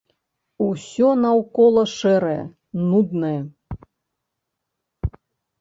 Усё наўкола шэрае, нуднае.